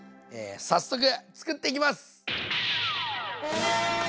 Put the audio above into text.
早速つくっていきます！